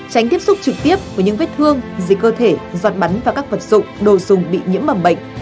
tránh tiếp xúc trực tiếp với những vết thương dịch cơ thể giọt bắn và các vật dụng đồ dùng bị nhiễm mầm bệnh